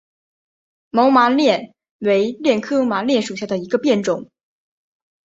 毛麻楝为楝科麻楝属下的一个变种。